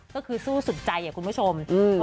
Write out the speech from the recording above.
ก็คือสู้สุดใจคุณผู้ชม